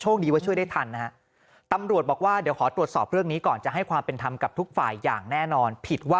ว่าช่วยได้ทันนะฮะตำรวจบอกว่าเดี๋ยวขอตรวจสอบเรื่องนี้ก่อนจะให้ความเป็นธรรมกับทุกฝ่ายอย่างแน่นอนผิดว่า